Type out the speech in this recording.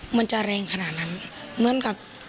มันจะแรงขนาดนั้นเหมือนกับ